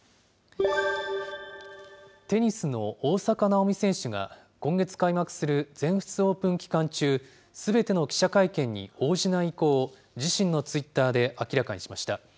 テニスの大坂なおみ選手が、今月開幕する全仏オープン期間中、すべての記者会見に応じない意向を自身のツイッターで明らかにしました。